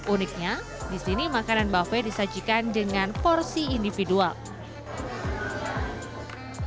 uniknya disini makanan buffet disajikan dengan porsi individual